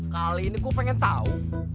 kali ini gue pengen tahu